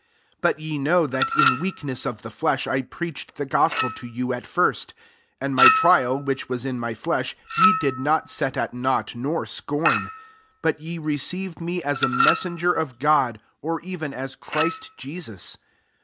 13 But ye know that in weakness of the flesh I preached the gospel to you at first: 14 and my trial, which was in my flesh, ye did not set at naught nor scorn: but ye received me as a messenger of God, or even as Christ Jesus.